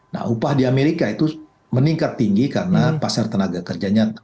nah upah di amerika itu meningkat tinggi karena pasar tenaga kerjanya